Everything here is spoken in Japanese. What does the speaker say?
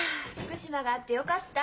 福島があってよかった！